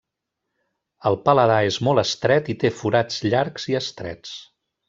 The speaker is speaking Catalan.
El paladar és molt estret i té forats llargs i estrets.